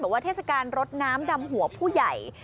เทศกาลรถน้ำดำหัวผู้ใหญ่